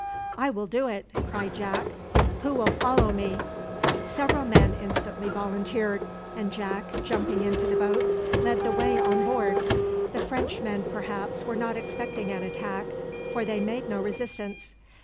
"I will do it!" cried Jack. "Who will follow me?" Several men instantly volunteered, and Jack, jumping into the boat, led the way on board. The Frenchmen, perhaps, were not expecting an attack, for they made no resistance.